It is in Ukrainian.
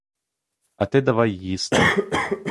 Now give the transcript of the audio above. А ти давай їсти.